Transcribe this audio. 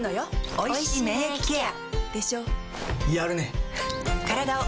おいしい免疫ケア